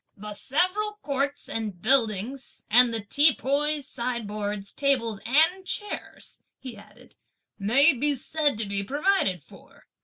"The several courts and buildings and the teapoys, sideboards, tables and chairs," he added, "may be said to be provided for.